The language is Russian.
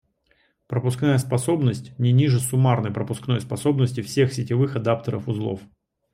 Пропускная способность не ниже суммарной пропускной способности всех сетевых адаптеров узлов